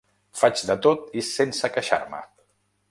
Faig de tot i sense queixar-me.